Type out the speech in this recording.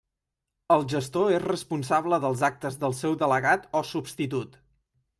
El gestor és responsable dels actes del seu delegat o substitut.